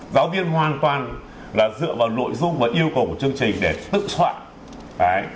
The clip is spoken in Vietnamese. giáo viên hoàn toàn là dựa vào nội dung và yêu cầu của chương trình để tự soạn